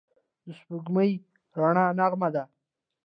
د سپوږمۍ رڼا نرمه ده